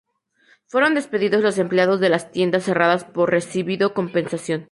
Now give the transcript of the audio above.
Fueron despedidos los empleados de las tiendas cerradas, pero recibido compensación.